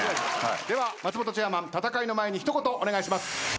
では松本チェアマン戦いの前に一言お願いします。